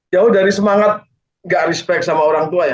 jauh dari semangat gak respect sama orang tua ya